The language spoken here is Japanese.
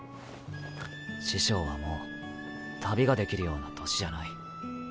師匠はもう旅ができるような年じゃない。